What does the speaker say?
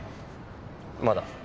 まだ。